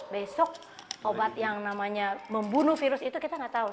besok obat yang namanya membunuh virus itu kita nggak tahu